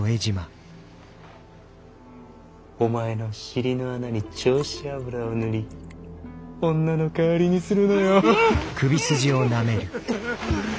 お前の尻の穴に丁子油を塗り女の代わりにするのよ。